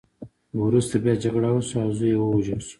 خو وروسته بیا جګړه وشوه او زوی یې ووژل شو.